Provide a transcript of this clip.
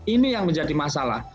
ini yang menjadi masalah